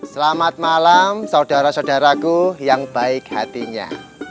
selamat malam saudara saudaraku yang baik hatinya